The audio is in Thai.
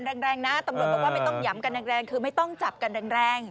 ไม่ต้องหยำกันแรงคือไม่ต้องจับกันแรง